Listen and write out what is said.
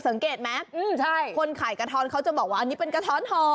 สังเกตไหมคนขายกระท้อนเขาจะบอกว่าอันนี้เป็นกระท้อนห่อ